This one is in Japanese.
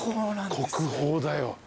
国宝だよ。